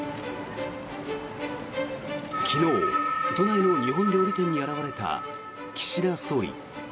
昨日、都内の日本料理店に現れた岸田総理。